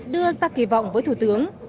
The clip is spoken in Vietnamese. đưa ra kỳ vọng với thủ tướng